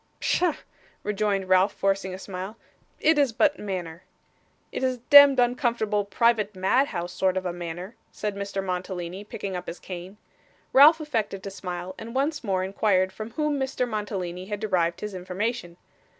'Pshaw,' rejoined Ralph, forcing a smile. 'It is but manner.' 'It is a demd uncomfortable, private madhouse sort of a manner,' said Mr Mantalini, picking up his cane. Ralph affected to smile, and once more inquired from whom Mr. Mantalini had derived his information.